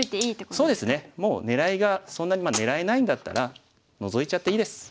そうですねもう狙いがそんなに狙えないんだったらノゾいちゃっていいです。